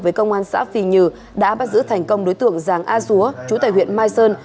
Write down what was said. với công an xã phi nhừ đã bắt giữ thành công đối tượng giảng a súa chú tại huyện mai sơn